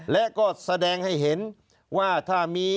และก็แสดงให้เห็นว่าถ้ามี